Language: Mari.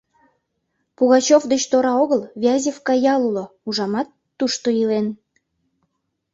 Пугачев деч тора огыл Вязевка ял уло — ужамат, тушто илен.